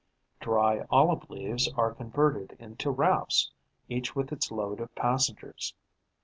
Dry olive leaves are converted into rafts, each with its load of passengers.